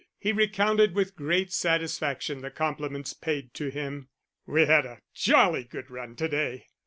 '" He recounted with great satisfaction the compliments paid to him. "We had a jolly good run to day....